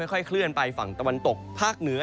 ค่อยเคลื่อนไปฝั่งตะวันตกภาคเหนือ